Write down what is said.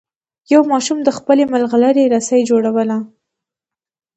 یوه ماشوم د خپلې ملغلرې رسۍ جوړوله.